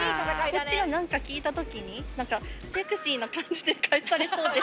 こっちが何か聞いたときになんか、セクシーな感じで返されそうで。